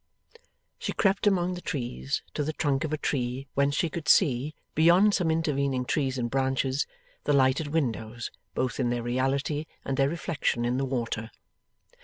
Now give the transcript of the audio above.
She crept among the trees to the trunk of a tree whence she could see, beyond some intervening trees and branches, the lighted windows, both in their reality and their reflection in the water.